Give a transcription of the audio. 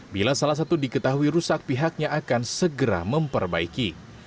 bila salah satu diketahui rusak pihaknya akan segera memperbaiki